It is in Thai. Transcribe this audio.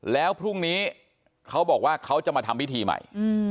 แล้วพรุ่งนี้เขาบอกว่าเขาจะมาทำพิธีใหม่